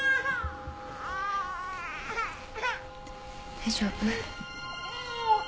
大丈夫？